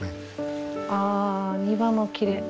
ああ庭もきれい。